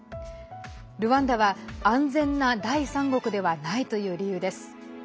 ルワンダは安全な第三国ではないという理由です。